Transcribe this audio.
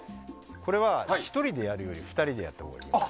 これは１人でやるより２人でやったほうがいいです。